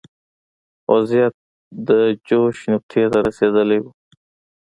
وضعیت د جوش نقطې ته رسېدلی و.